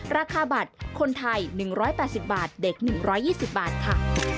ราคาบัตรคนไทย๑๘๐บาทเด็ก๑๒๐บาทค่ะ